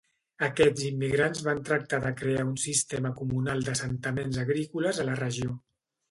Aquests immigrants van tractar de crear un sistema comunal d'assentaments agrícoles a la regió.